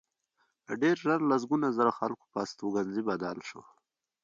ډېر ژر د لسګونو زرو خلکو پر استوګنځي بدل شو